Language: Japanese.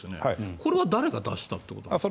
これは誰が出したということなんですか？